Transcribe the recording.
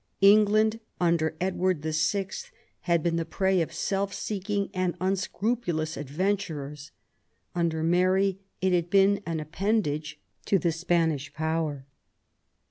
England under Edward VI. had been the prey of self seeking and unscrupulous adventurers ; under Mary it had been an appendage to the Spanish power.